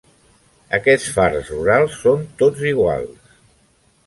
Aquests farts rurals són tots iguals.